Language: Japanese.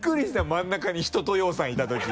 真ん中に一青窈さんいたとき。